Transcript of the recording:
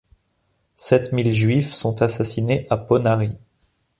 Sept mille juifs sont assassinés à Ponary.